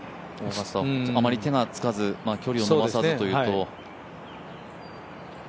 あまり手がつかず、距離を延ばさずというと。